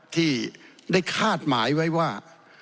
ที่ได้คาดหมายไว้ว่า